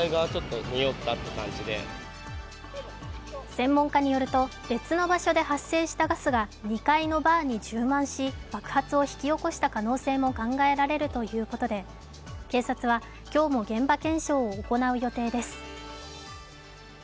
専門家によると、別の場所で発生したガスが２階のバーに充満し、爆発を引き起こした可能性も考えられるということで警察は今日も現場検証を行う予定です。